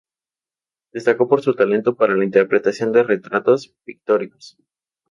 Destacó por su talento para la interpretación de retratos pictóricos.